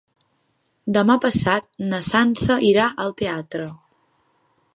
Demà passat na Sança irà al teatre.